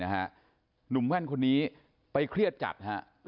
หนุ่มแว่นคนนี้ไปเครียดจัดฮะ